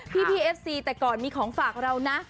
พี่เอฟซีแต่ก่อนมีของฝากเรานะ